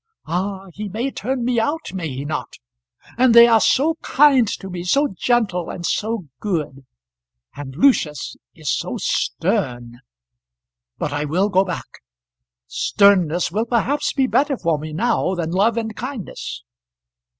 "Ah; he may turn me out, may he not? And they are so kind to me, so gentle and so good. And Lucius is so stern. But I will go back. Sternness will perhaps be better for me now than love and kindness."